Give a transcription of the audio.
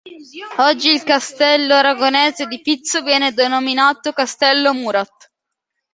Oggi il castello aragonese di Pizzo viene denominato Castello Murat.